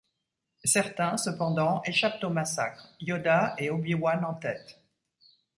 Certains, cependant, échappent au massacre, Yoda et Obi-Wan en tête.